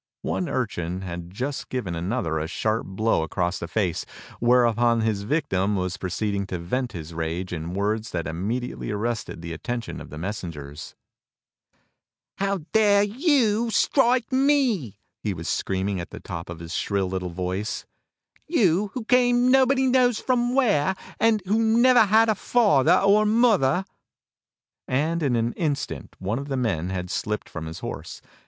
One urchin had just given MERLIN AND HIS PROPHECIES 7 another a sharp blow across the face, whereupon his victim was pro ceeding to vent his rage in words that immediately arrested the atten tion of the messengers. "How dare you strike me?" he was screaming at the top of his shrill little voice. "You who came nobody knows from where, and who never had a father or a mother!" In an instant one of the men had slipped from his horse.